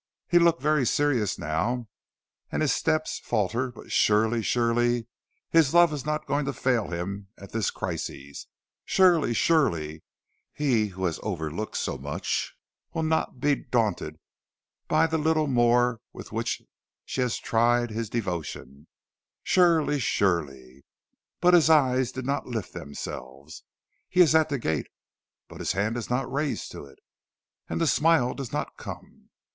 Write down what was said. He looks very serious now, and his steps falter; but surely, surely, his love is not going to fail him at the crisis; surely, surely, he who has overlooked so much will not be daunted by the little more with which she has tried his devotion; surely, surely But his eyes do not lift themselves. He is at the gate, but his hand is not raised to it, and the smile does not come.